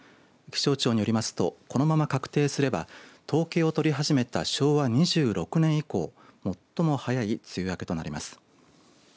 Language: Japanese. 気象庁によりますと、このまま確定すれば統計を取り始めた昭和２６年以降、最も早い梅雨明けとなります。